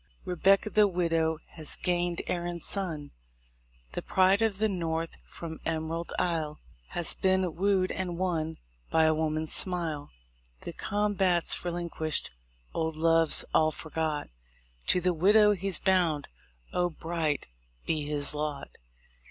Rebecca the widow has gained Erin's son; The pride of the north from Emerald Isle Has been wooed and won by a woman's smile. The combat's relinquished, old loves all forgot: To the widow he's bound. Oh, bright be his lot!